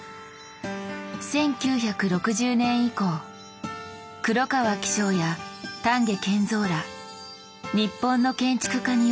１９６０年以降黒川紀章や丹下健三ら日本の建築家によって広められました。